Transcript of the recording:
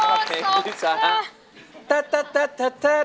โอ้จบค่ะ